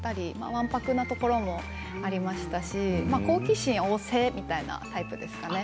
わんぱくなところもありましたし好奇心旺盛みたいなタイプですかね